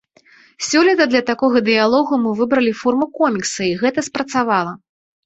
Сёлета для такога дыялогу мы выбралі форму комікса, і гэта спрацавала.